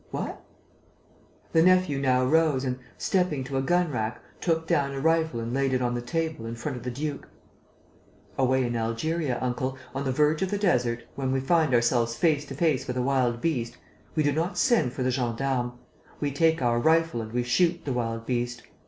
"What?..." The nephew now rose and, stepping to a gun rack, took down a rifle and laid it on the table, in front of the duke: "Away in Algeria, uncle, on the verge of the desert, when we find ourselves face to face with a wild beast, we do not send for the gendarmes. We take our rifle and we shoot the wild beast.